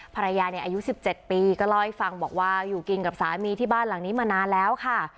ภรรยาเนี่ยอายุ๑๗ปีก็เล่าให้ฟังบอกว่าอยู่กินกับสามีที่บ้านหลังนี้มานานแล้วค่ะ